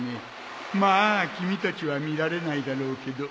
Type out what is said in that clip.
まあ君たちは見られないだろうけど